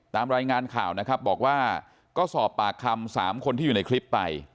ตามรายงานข่าวนะครับบอกว่าก็สอบปากคำ๓คนที่อยู่ในคลิปไป